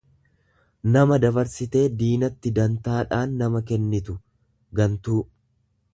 nama dabarsitee diinatti dantaadhaan nama kennitu, gantuu.